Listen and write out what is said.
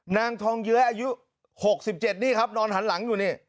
นางทองเย้ยอายุ๖๗นี่ครับนอนหันหลังอยู่นี่